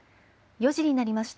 ４時になりました。